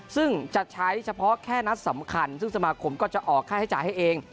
ซึ่งจะใช้เฉพาะแค่นัดสำคัญซึ่งสมาคมก็จะออกค่าใช้จ่ายให้เอง